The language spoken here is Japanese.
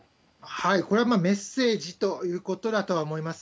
これはメッセージということだと思います。